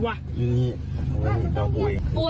เว้ยมึงอย่ามาตับเองนะ